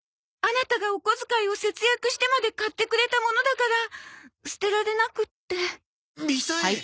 アナタがお小遣いを節約してまで買ってくれたものだから捨てられなくって。